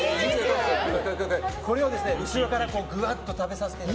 これを後ろからぐわっと食べさせてみたり。